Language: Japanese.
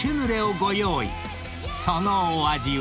［そのお味は？］